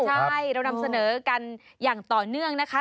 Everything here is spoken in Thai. ใช่เรานำเสนอกันอย่างต่อเนื่องนะคะ